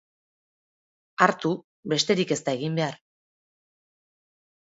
Hartu, besterik ez da egin behar.